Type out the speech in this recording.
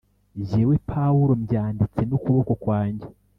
Jyewe Pawulo mbyanditse n’ukuboko kwanjye